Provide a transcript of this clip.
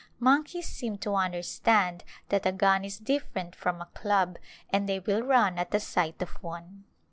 Mon keys seem to understand that a gun is different from a club and they will run at the sight of one.